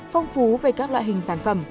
phong phú về các loại hình sản phẩm